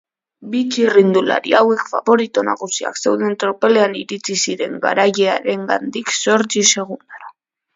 Bi txirrindulari hauek faborito nagusiak zeuden tropelean iritsi ziren garailearengandik zortzi segundora.